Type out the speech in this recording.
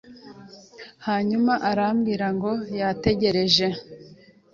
hanyuma arambwira ngo yarategereje